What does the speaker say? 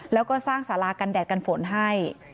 แล้วก็สร้างสารากันแดดกันฝนให้